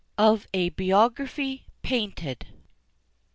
OF A BIOGRAPHY PAINTED.